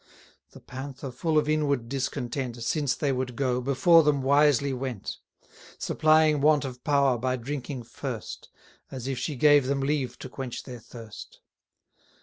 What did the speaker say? The Panther, full of inward discontent, Since they would go, before them wisely went; Supplying want of power by drinking first, As if she gave them leave to quench their thirst.